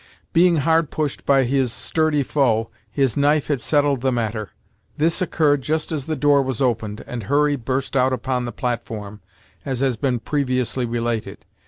Being hard pushed by his sturdy foe, his knife had settled the matter. This occurred just as the door was opened, and Hurry burst out upon the platform, as has been previously related.